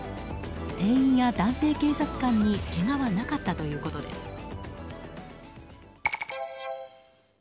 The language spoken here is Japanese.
店員や男性警察官にけがはなかったということです。